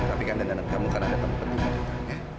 rapikan dendam dendam kamu karena ada tempat untuk berdua